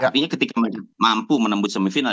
artinya ketika mereka mampu menembus semifinal